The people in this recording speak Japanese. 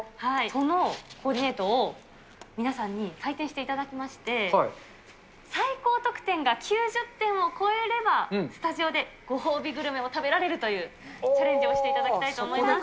そのコーディネートを皆さんに採点していただきまして、最高得点が９０点を超えればスタジオでご褒美グルメを食べられるというチャレンジをしていただきたいと思います。